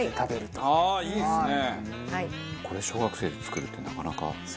これ小学生で作るってなかなかすごい。